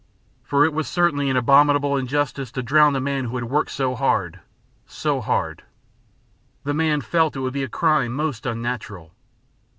For it was certainly an abominable injustice to drown a man who had worked so hard, so hard. The man felt it would be a crime most unnatural.